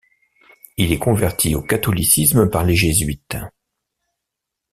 Il est converti au catholicisme par les Jésuites.